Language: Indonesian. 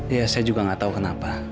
iya saya juga gak tau kenapa